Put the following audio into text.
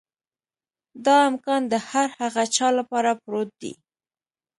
دا امکان د هر هغه چا لپاره پروت دی.